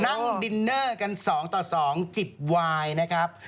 นั่งดินเนอร์กัน๒ต่อ๒จิบวายนะครับ